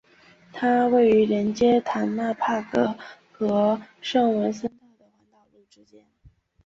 它位于连接塔纳帕格和圣文森特的环岛路之间。